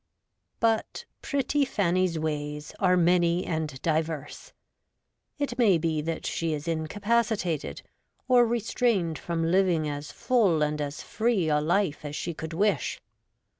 But 'pretty Fanny's ways' are many and diverse. It may be that she is incapacitated or restrained from living as full and as free a life as she could wish.